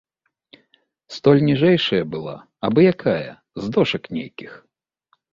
Столь ніжэйшая была, абы-якая, з дошак нейкіх.